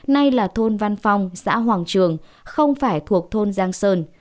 nay là thôn văn phong xã hoàng trường không phải thuộc thôn giang sơn